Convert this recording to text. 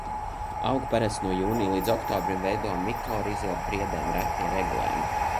Aug parasti no jūnija līdz oktobrim, veido mikorizu ar priedēm, reti ar eglēm.